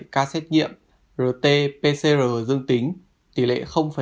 hai mươi bảy ca xét nghiệm rt pcr dương tính tỷ lệ tám mươi sáu